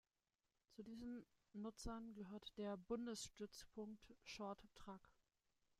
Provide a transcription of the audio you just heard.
Zu diesen Nutzern gehört der Bundesstützpunkt Shorttrack.